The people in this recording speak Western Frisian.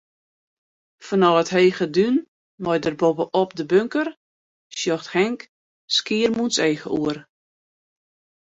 Fanôf it hege dún mei dêr boppe-op de bunker, sjocht Henk Skiermûntseach oer.